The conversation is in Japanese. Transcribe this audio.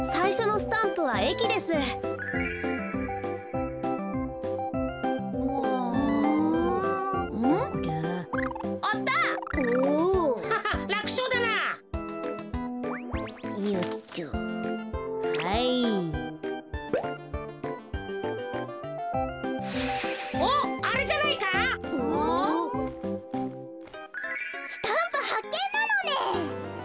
スタンプはっけんなのね。